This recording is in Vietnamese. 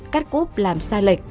cắt cúp làm xa lệch